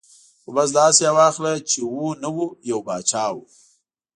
ـ خو بس داسې یې واخله چې و نه و ، یو باچا و.